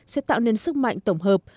sẽ tạo nên sức mạnh tổng hợp